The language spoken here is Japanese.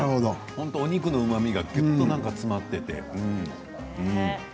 お肉のうまみがぎゅっと詰まっていて。